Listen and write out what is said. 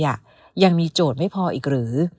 ยังมีโจทย์ไม่พออีกหรือ